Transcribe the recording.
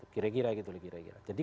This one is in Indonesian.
kira kira gitu jadi